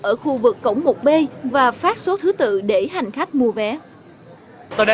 ở khu vực cổng một b và phát số thứ tự để hành khách mua vé